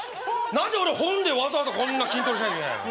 何で俺本でわざわざこんな筋トレしなきゃいけないの。